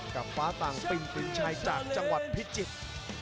ของฟ้าตังปิ่นปิ่นชัยจากจังหวัดพิจิตย์